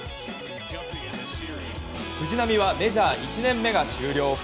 藤浪はメジャー１年目が終了。